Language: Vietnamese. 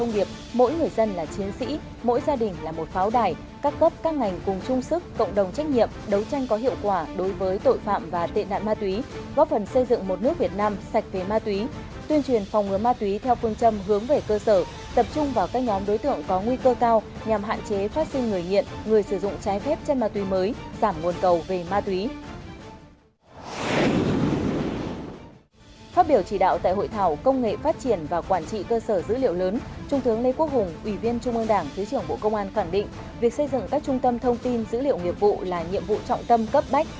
việc xây dựng các trung tâm thông tin dữ liệu nghiệp vụ là nhiệm vụ trọng tâm cấp bách